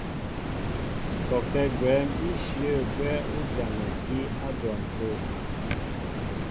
Sɔkɛ́ gwɛ̌n íshyə̂ gwɛ́ ú janɛkí á dwɔn tə̂.